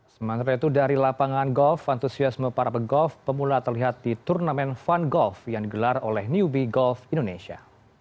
sementara itu dari lapangan golf antusiasme para pegolf pemula terlihat di turnamen fun golf yang digelar oleh newbie golf indonesia